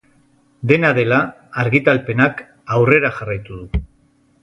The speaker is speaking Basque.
Dena dela, argitalpenak aurrera jarraitu du.